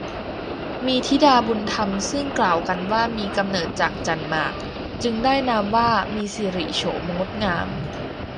มีธิดาบุญธรรมซึ่งกล่าวกันว่ามีกำเนิดจากจั่นหมาก จึงได้นามว่า มีสิริโฉมงดงาม